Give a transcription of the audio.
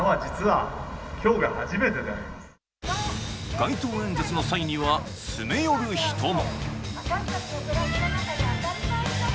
街頭演説の際には詰め寄る人も。